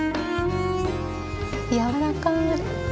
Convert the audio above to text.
やわらかい。